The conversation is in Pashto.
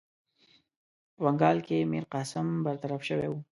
په بنګال کې میرقاسم برطرف شوی وو.